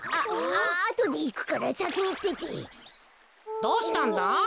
どうしたんだ？